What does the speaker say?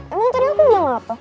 emang tadi aku punya apa